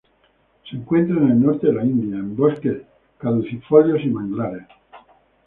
Se encuentra en el norte de la India en bosque caducifolios y manglares.